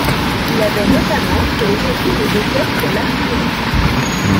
Il avait notamment fait effectuer des essais sur l'artillerie.